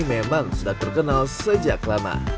memang sudah terkenal sejak lama